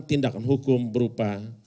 tindakan hukum berupa